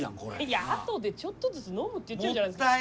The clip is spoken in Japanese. いや後でちょっとずつ飲むって言ってるじゃないですか。